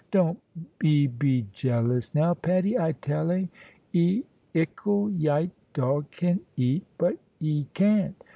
"Don't 'e be jealous, now, Patty, I tell 'a. 'E ickle yite dog can eat, but 'e can't.